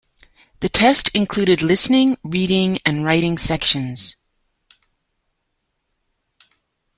The test included listening, reading and writing sections.